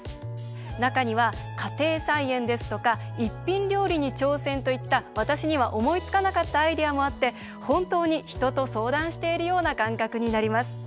中には「家庭菜園」ですとか「一品料理に挑戦」といった私には思いつかなかったアイデアもあって本当に人と相談しているような感覚になります。